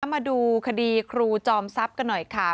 มาดูคดีครูจอมทรัพย์กันหน่อยค่ะ